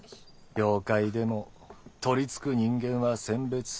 妖怪でも取り憑く人間は選別するか。